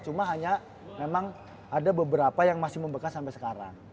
cuma hanya memang ada beberapa yang masih membekas sampai sekarang